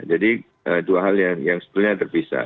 jadi dua hal yang sebenarnya terpisah